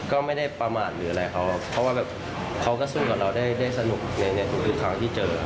ก็ไม่ได้ประมาทหรืออะไรเขาครับเพราะว่าแบบเขาก็สู้กับเราได้สนุกในทุกครั้งที่เจอ